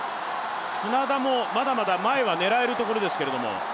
砂田もまだまだ前は狙えるところですけれども。